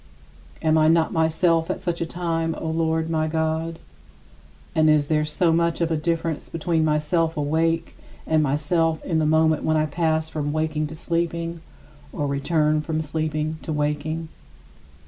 Am I not myself at such a time, O Lord my God? And is there so much of a difference between myself awake and myself in the moment when I pass from waking to sleeping, or return from sleeping to waking?